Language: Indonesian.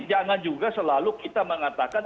jangan juga selalu kita mengatakan